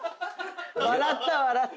笑った笑った。